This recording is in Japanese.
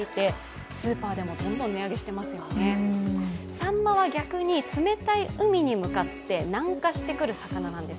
サンマは逆に冷たい海に向かって南下してくる魚なんです。